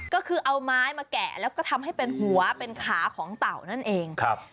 ก็คือเอาไม้มาแกะแล้วก็ทำให้เป็นหัวเป็นขาของเต่านั่นเองครับ